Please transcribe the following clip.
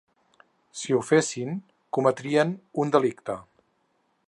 Si ho fessin, cometrien un delicte.